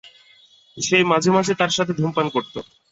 সে মাঝে মাঝে তার সাথে ধূমপান করত।